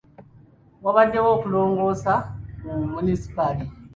Wabaddewo okulongoosa mu munisipaali.